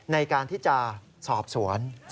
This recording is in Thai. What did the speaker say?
ในการที่จะสอบสวน